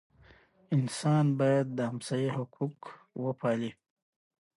وادي د افغانستان د چاپیریال ساتنې لپاره مهم دي.